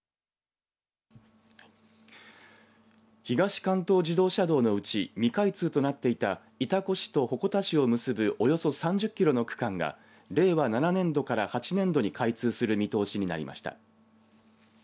東関東自動車道のうち未開通となっていた潮来市と鉾田市を結ぶおよそ３０キロの区間が令和７年度から８年度に開通する見通しになりました。